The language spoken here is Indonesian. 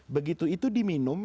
begitu itu diminum